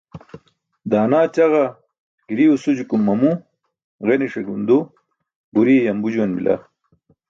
Daana ćaġa giriw sujukum mamu, ġeniśe gundu, buriye yambu juwan bila.